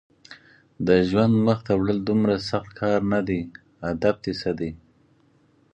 د ژوند مخته وړل دومره سخت کار نه دی، هدف دې څه دی؟